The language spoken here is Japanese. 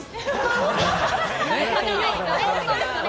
そうですよね。